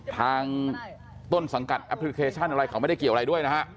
ทางต้นสังกัดแอปพลิเคชันอะไรเขาไม่ได้เกี่ยวอะไรด้วยนะฮะ